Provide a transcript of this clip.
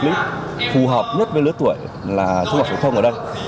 chương trình phù hợp nhất với lớp tuổi là trung học phổ thông ở đây